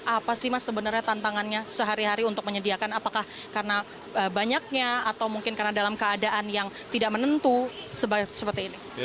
apa sih mas sebenarnya tantangannya sehari hari untuk menyediakan apakah karena banyaknya atau mungkin karena dalam keadaan yang tidak menentu seperti ini